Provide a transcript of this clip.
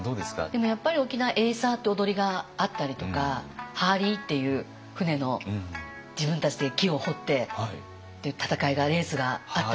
でもやっぱり沖縄エイサーって踊りがあったりとかハーリーっていう舟の自分たちで木を彫ってっていう戦いがレースがあったりとか。